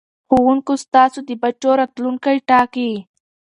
ښوونکو ستاسو د بچو راتلوونکی ټاکي.